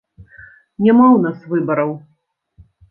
Няма ў нас выбараў.